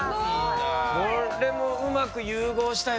これもうまく融合したよね。